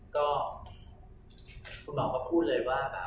ก็คุณหมอก็พูดเลยว่าแบบ